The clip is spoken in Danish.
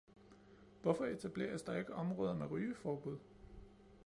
Hvorfor etableres der ikke områder med rygeforbud?